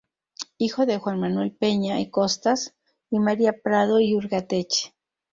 Hijo de Juan Manuel Peña y Costas y María Prado y Ugarteche.